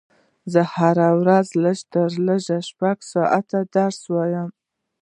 زه هره ورځ لږ تر لږه شپږ ساعته درس وایم